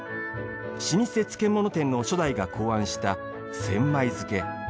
老舗漬物店の初代が考案した千枚漬。